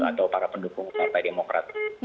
atau para pendukung partai demokrat